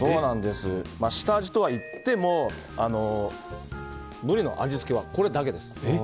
下味とはいってもブリの味付けはこれだけです。